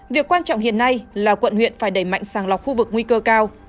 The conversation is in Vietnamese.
việc quan trọng hiện nay là quận huyện phải đẩy mạnh sàng lọc khu vực nguy cơ cao